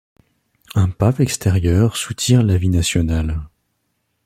Un pape extérieur soutire la vie nationale.